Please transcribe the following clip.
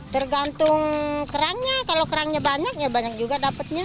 tergantung kerangnya kalau kerangnya banyak ya banyak juga dapatnya